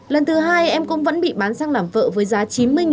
lần thứ hai em cũng vẫn bị bán sang làm vợ với giang